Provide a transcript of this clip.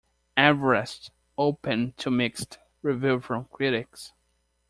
"Everest" opened to mixed review from critics.